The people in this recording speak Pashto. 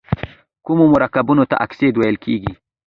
کومو مرکبونو ته اکساید ویل کیږي؟